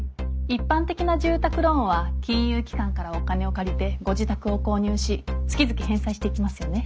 一般的な住宅ローンは金融機関からお金を借りてご自宅を購入し月々返済していきますよね。